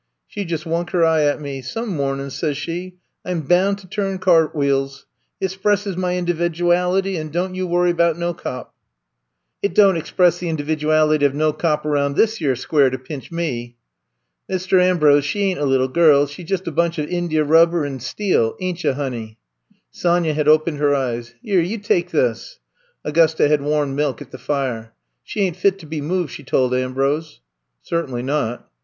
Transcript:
She jus' wunk her eye at me. *Some mornin's,' sez she, *I 'm boun' to turn cart w'eels. It spresses ma individuality, and don' you worry about no cop.' It don't express the 56 I'VE COMB TO STAY individuality o' no cop aroun' dis yere square to pinch me!^ Mist' Ambrose, she ain't a little girl, she 's jus' a bunch o' inja rubber an' steel. Ain't yo', honey!" Sonya had opened her eyes. *'Yere, you tak' this." Augusta had warmed milk at the fire. She ain't fit to be moved," she told Ambrose. Certainly not."